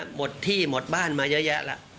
หมดที่หมดบ้านมาเยอะแยะแล้ว